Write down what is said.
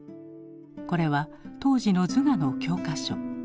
これは当時の図画の教科書。